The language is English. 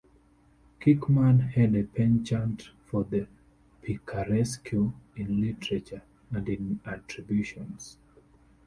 Kirkman had a penchant for the picaresque in literature, and in attributions.